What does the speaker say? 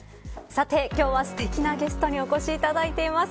さて、今日はすてきなゲストにお越しいただいています。